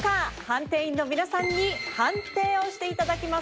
判定員の皆さんに判定をして頂きます。